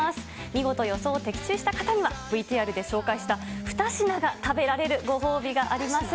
見事、予想を的中した方には、ＶＴＲで紹介した２品が食べられるご褒美があります。